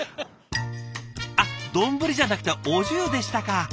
あっ丼じゃなくてお重でしたか。